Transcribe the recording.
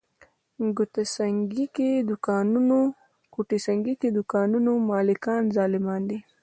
ګوته سنګي کې دوکانونو مالکان ظالمان دي.